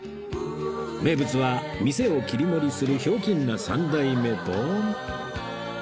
名物は店を切り盛りするひょうきんな三代目と